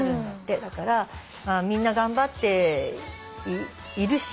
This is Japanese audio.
だからみんな頑張っているし。